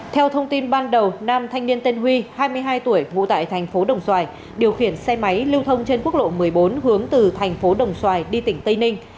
theo thông tin ban đầu nam thanh niên tên huy hai mươi hai tuổi ngụ tại thành phố đồng xoài điều khiển xe máy lưu thông trên quốc lộ một mươi bốn hướng từ thành phố đồng xoài đi tỉnh tây ninh